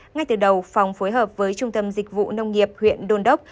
ngay từ đầu phòng phối hợp với trung tâm dịch vụ nông nghiệp huyện đôn đốc